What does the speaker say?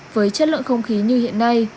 với chất lượng không khí như hiện nay